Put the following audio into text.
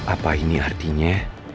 apa ini artinya